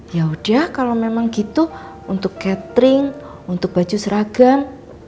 ya udah kalau memang gitu untuk catering untuk baju seragam